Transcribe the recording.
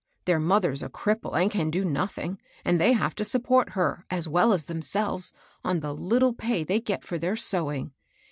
i?heir mother's a cripple, and can do nothing ; and they have to support her, as well as themselves, on the little pay they get for their sewing.